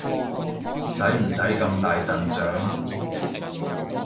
使唔使咁大陣仗？